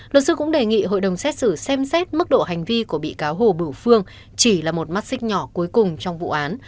luật sư cũng đề nghị hội đồng xét xử xem xét mức độ hành vi của bị cáo hồ bửu phương chỉ là một mắt xích nhỏ cuối cùng trong vụ án